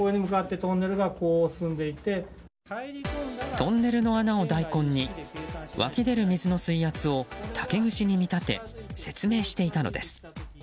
トンネルの穴を大根に湧き出る水の水圧を竹串に見立て説明していたのです。